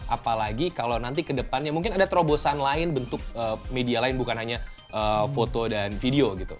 apalagi kalau nanti ke depannya mungkin ada terobosan lain bentuk media lain bukan hanya foto dan video gitu